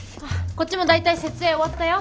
こっちも大体設営終わったよ。